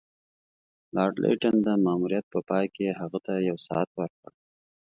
لارډ لیټن د ماموریت په پای کې هغه ته یو ساعت ورکړ.